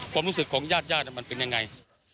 ความรู้สึกของญาติญาติมันเป็นยังไง